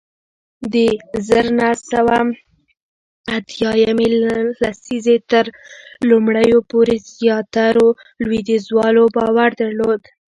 د زر نه سوه اتیا یمې لسیزې تر لومړیو پورې زیاترو لوېدیځوالو باور درلود